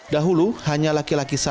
dahulu hanya laki laki saja yang dihidupkan